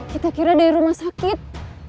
kita kira dari rumah sakit